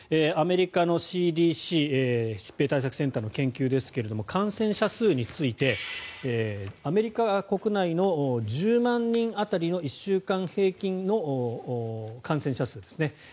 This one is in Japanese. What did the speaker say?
アメリカのＣＤＣ・疾病対策センターの研究ですが感染者数についてアメリカ国内の１０万人当たりの１週間平均の感染者数ですね。